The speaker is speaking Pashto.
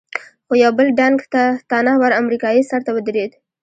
خو یو بل ډنګ، تنه ور امریکایي سر ته ودرېد.